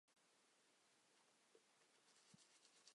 山西老陈醋已经被列为中国地理标志产品。